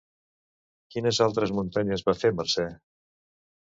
Quines altres muntanyes va fer Mercè?